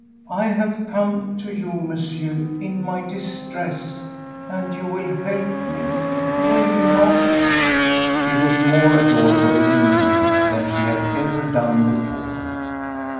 ... I have come to you, Monsieur, in my distress ... and you will help me, will you not?" She looked more adorable in grief than she had ever done before.